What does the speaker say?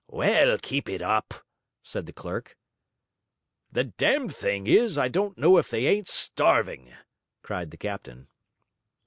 'Well, keep it up!' said the clerk. 'The damned thing is, I don't know if they ain't starving!' cried the captain.